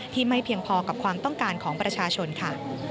ไม่เพียงพอกับความต้องการของประชาชนค่ะ